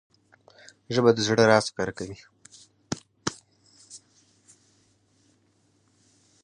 ژبه د زړه راز ښکاره کوي